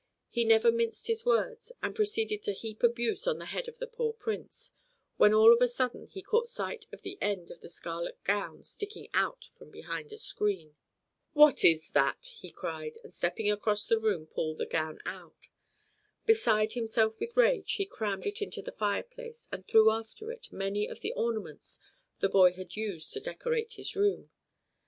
He never minced his words, and proceeded to heap abuse on the head of the poor Prince, when all of a sudden he caught sight of the end of the scarlet gown sticking out from behind a screen. "What is that?" he cried, and stepping across the room pulled the gown out. Beside himself with rage he crammed it into the fireplace, and threw after it many of the ornaments the boy had used to decorate his room.